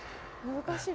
難しい。